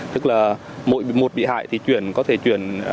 tức là mỗi một bị hại thì chuyển có thể chuyển một trăm linh hai trăm linh